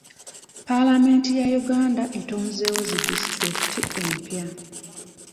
Paalamenti ya Uganda etonzeewo zi disitulikiti empya.